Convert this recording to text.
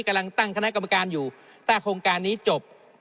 กำลังตั้งคณะกรรมการอยู่ถ้าโครงการนี้จบ